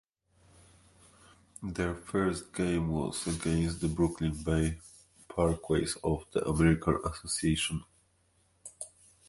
Their first game was against the Brooklyn Bay Parkways of the American Association.